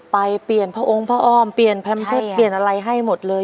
เปลี่ยนพระองค์พระอ้อมเปลี่ยนแพมเพชรเปลี่ยนอะไรให้หมดเลย